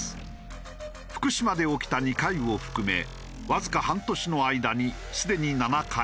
福島で起きた２回を含めわずか半年の間にすでに７回。